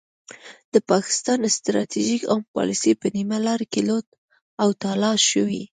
د پاکستان ستراتیژیک عمق پالیسي په نیمه لار کې لوټ او تالا شوې.